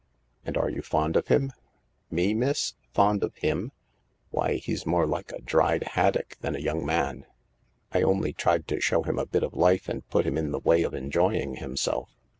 " And are you fond of him ?"" Me, miss ? Fond of him ? Why, he's more like a dried haddock than a young man. I only tried to show him a bit of life and put him in the way of enjoying himself.